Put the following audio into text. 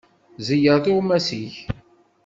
Ẓeyyer tuɣmas-ik.